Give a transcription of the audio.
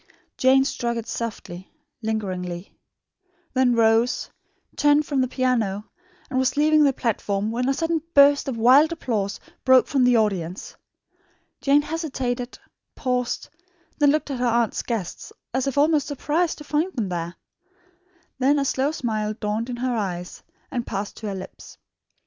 Jane struck it softly, lingeringly; then rose, turned from the piano, and was leaving the platform, when a sudden burst of wild applause broke from the audience. Jane hesitated, paused, looked at her aunt's guests as if almost surprised to find them there. Then the slow smile dawned in her eyes and passed to her lips.